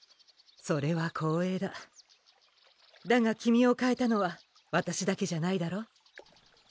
それは光栄だだが君をかえたのはわたしだけじゃないだろう？